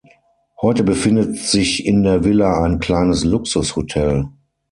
Heute befindet sich in der Villa ein kleines Luxushotel.